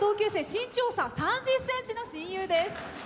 身長差３０ｃｍの親友です。